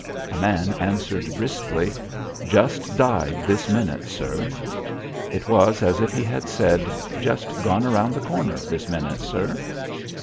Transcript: A man answered briskly: "Just died this minute, sir." It was as if he had said: "Just gone around the corner this minute, sir."